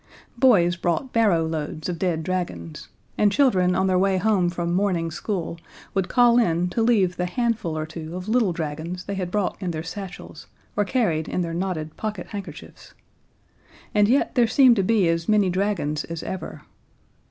Boys brought barrowloads of dead dragons, and children on their way home from morning school would call in to leave the handful or two of little dragons they had brought in their satchels, or carried in their knotted pocket handkerchiefs. And yet there seemed to be as many dragons as ever.